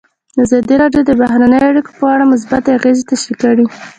ازادي راډیو د بهرنۍ اړیکې په اړه مثبت اغېزې تشریح کړي.